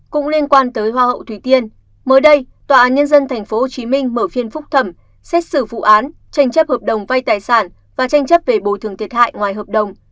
cũng liên quan tới hoa hậu thủy tiên mới đây tòa án nhân dân tp hcm mở phiên phúc thẩm xét xử vụ án tranh chấp hợp đồng vay tài sản và tranh chấp về bồi thường thiệt hại ngoài hợp đồng